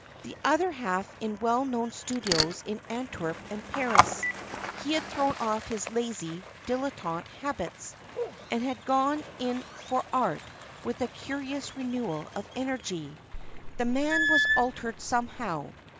The other half in well known studios in Antwerp and Paris. He had thrown off his lazy, dilettante habits, and had gone in for art with a curious renewal of energy. The man was altered somehow.